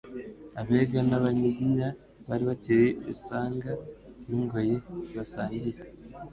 Abega n'Abanyiginya bari bakiri isanga n'ingoyi basangiye